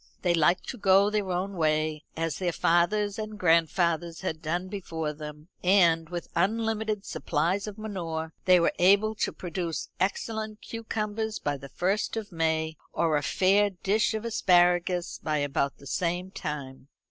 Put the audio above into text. They liked to go their own way, as their fathers and grandfathers had done before them; and, with unlimited supplies of manure, they were able to produce excellent cucumbers by the first of May, or a fair dish of asparagus by about the same time.